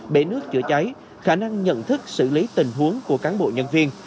bể nước chữa cháy khả năng nhận thức xử lý tình huống của cán bộ nhân viên